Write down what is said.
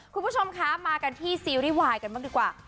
คุณผู้ชมคะมากันที่ซีรีส์วายกันบ้างดีกว่า